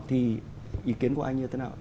thì ý kiến của anh như thế nào